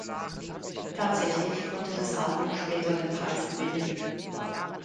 Tatsächlich konnte das Album später den Preis gewinnen.